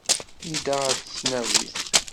Yedda ɣer tesnawit.